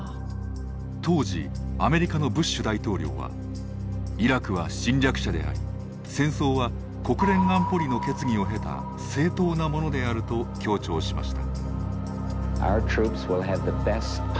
当時アメリカのブッシュ大統領はイラクは侵略者であり戦争は国連安保理の決議を経た正当なものであると強調しました。